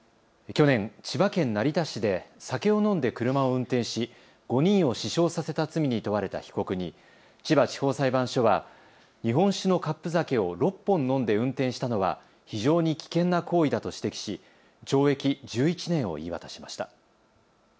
去年、千葉県成田市で酒を飲んで車を運転し５人を死傷させた罪に問われた被告に千葉地方裁判所は日本酒のカップ酒を６本飲んで運転したのは非常に危険な行為だと指摘し懲役１１年を言い渡しました。